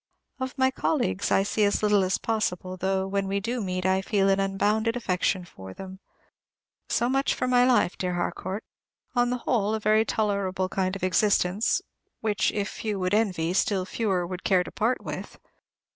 Of my colleagues I see as little as possible, though, when we do meet, I feel an unbounded affection for them. So much for my life, dear Harcourt; on the whole, a very tolerable kind of existence, which if few would envy, still fewer would care to part with.